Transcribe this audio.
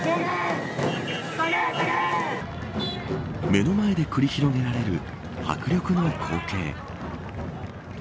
目の前で繰り広げられる迫力の光景。